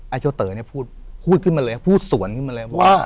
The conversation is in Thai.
เจ้าเต๋อเนี่ยพูดขึ้นมาเลยพูดสวนขึ้นมาเลยว่า